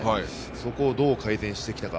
そこをどう改善してきたか。